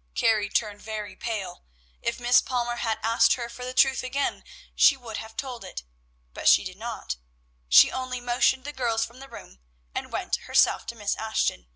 '" Carrie turned very pale. If Miss Palmer had asked her for the truth again, she would have told it, but she did not; she only motioned the girls from the room, and went herself to see Miss Ashton.